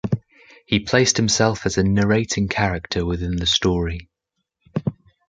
He placed himself as a narrating character within the story.